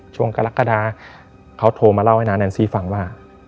กรกฎาเขาโทรมาเล่าให้น้าแนนซี่ฟังว่า